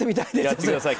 やってください